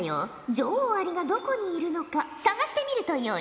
女王アリがどこにいるのか探してみるとよい。